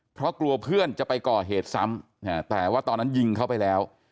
เพราะกลัวเพื่อนจะไปก่อเหตุซ้ำแต่ว่าตอนนั้นยิงเขาไปแล้ว